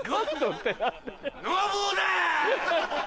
ノブオだ！